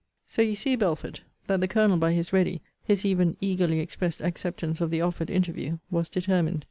So you see, Belford, that the Colonel by his ready, his even eagerly expressed acceptance of the offered interview, was determined.